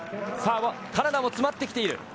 カナダも詰まってきている。